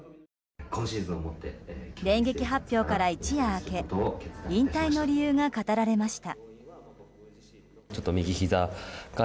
電撃発表から一夜明け引退の理由が語られました。